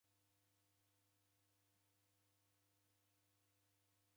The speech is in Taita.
Punda ni nyamandu righokie.